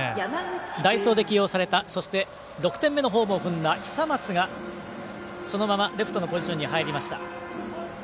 代走で起用された６点目のホームを踏んだ久松がそのままレフトのポジションに入りました。